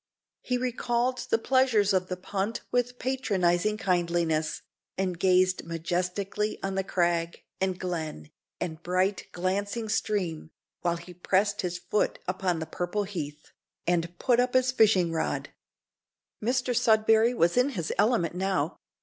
He recalled the pleasures of the punt with patronising kindliness, and gazed majestically on crag, and glen, and bright, glancing stream, while he pressed his foot upon the purple heath, and put up his fishing rod! Mr Sudberry was in his element now.